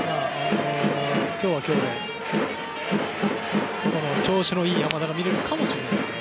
今日は今日で調子のいい山田が見れるかもしれないです。